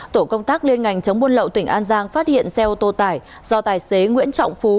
tổ công tác liên ngành chống buôn lậu tỉnh an giang phát hiện xe ô tô tải do tài xế nguyễn trọng phú